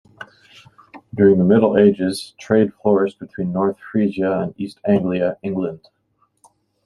During the Middle Ages, trade flourished between North Frisia and East Anglia, England.